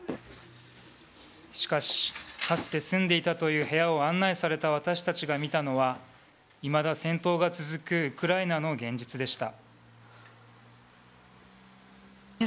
しかし、かつて住んでいたという部屋を案内された私たちが見たのは、いまだ戦闘が続くウクライナの現実でした。